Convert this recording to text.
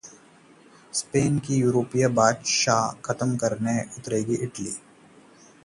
Spain की यूरोपीय बादशाह खत्म करने उतरेगा इटली